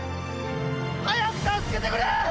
早く助けてくれ！